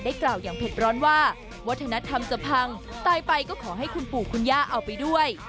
กล่าวอย่างเผ็ดร้อนว่าวัฒนธรรมจะพังตายไปก็ขอให้คุณปู่คุณย่าเอาไปด้วย